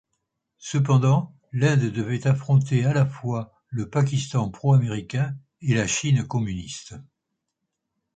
Cependant, l'Inde devait affronter à la fois le Pakistan pro-américain et la Chine communiste.